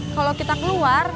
kalau kita keluar